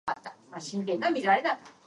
He was enslaved at birth in Laurens County.